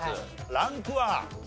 ランクは？